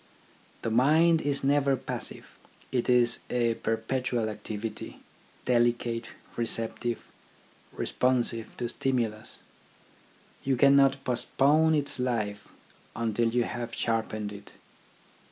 The mind is never passive ; it is a perpetual activity, delicate, receptive, responsive to stimulus. You cannot postpone its life until you have sharpened it.